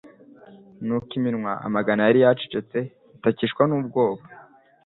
Nuko iminwa amagana yari yacecetse itakishwa n'ubwoba.